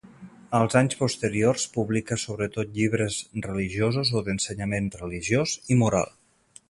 Als anys posteriors publica sobretot llibres religiosos o d'ensenyament religiós i moral.